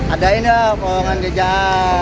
adain lah orang orang kerjaan